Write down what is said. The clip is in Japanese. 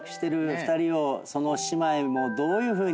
その姉妹もどういうふうに。